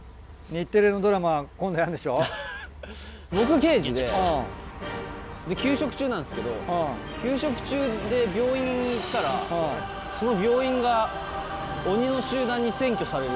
僕刑事で休職中なんですけど休職中で病院に行ったらその病院が鬼の集団に占拠されるっていう。